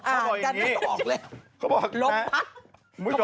อ่านกันไม่ต้องออกเลย